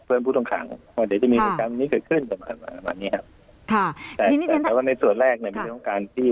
เพื่อนผู้ต่างหาว่าเดี๋ยวจะคำนึงเกิดขึ้นแต่ในส่วนแรก